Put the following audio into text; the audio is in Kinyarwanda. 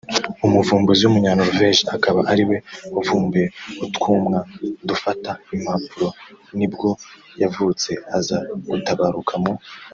umuvumbuzi w’umunyanorvege akaba ariwe wavumbuye utwuma dufata impapuro nibwo yavutse aza gutabaruka mu